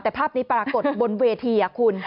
แต่ภาพนี้ปรากฏบนเวทีคุณ